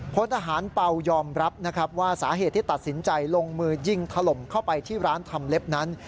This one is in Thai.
พลทหารเป่ายอมรับนะครับว่าสาเหตุที่ตัดสินใจลงมือยิงถล่มเข้าไปที่ร้านทำเล็บนั้น